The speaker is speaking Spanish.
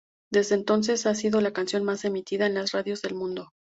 Desde entonces, ha sido la canción más emitida en las radios del mundo.